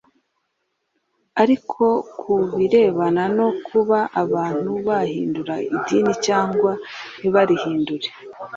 ariko ku birebana no kuba abantu bahindura idini cyangwa ntibarihindure